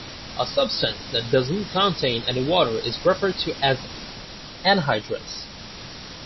A substance that does not contain any water is referred to as anhydrous.